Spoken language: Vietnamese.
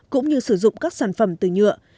cũng như sử dụng các sản phẩm từ nhựa